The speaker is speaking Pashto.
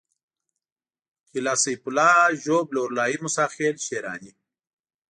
قلعه سيف الله ژوب لورلايي موسی خېل شېراني